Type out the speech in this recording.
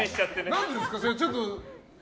何でですか？